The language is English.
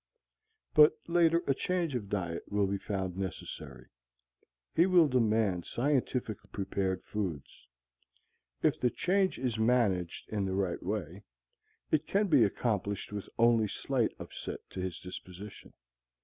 But later a change of diet will be found necessary. He will demand scientifically prepared foods. If the change is managed in the right way, it can be accomplished with only slight upset to his disposition.